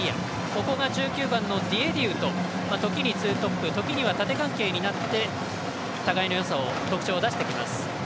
ここでディエディウと時にツートップ時には縦関係になって互いのよさを特徴を出してきます。